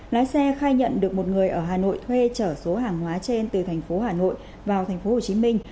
lái xe khai nhận được một người ở hà nội thuê trở số hàng hóa trên từ tp hà nội vào tp hồ chí minh